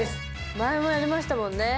前もやりましたもんね。